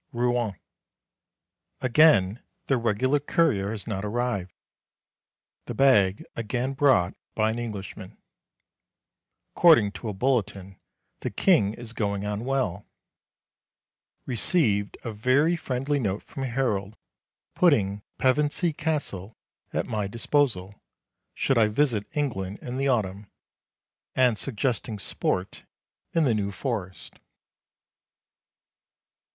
Rouen. Again the regular courier has not arrived. The bag again brought by an Englishman. According to a bulletin the King is going on well. Received a very friendly note from Harold, putting Pevensey Castle at my disposal, should I visit England in the autumn and suggesting sport in the New Forest.